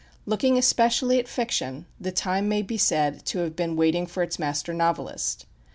Looking especially at fiction, the time may be said to have been waiting for its master novelist.